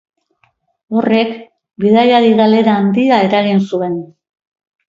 Horrek bidaiari galera handia eragin zuen.